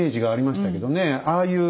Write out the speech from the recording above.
ああいう